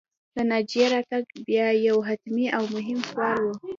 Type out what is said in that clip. د ناجيې راتګ بیا یو حتمي او مهم سوال و